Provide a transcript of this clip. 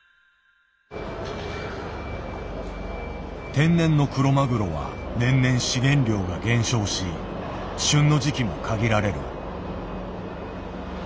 天然のクロマグロは年々資源量が減少し旬の時期も限られる。